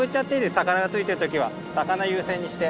魚がついている時は魚優先にして。